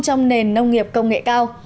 trong nền nông nghiệp công nghệ cao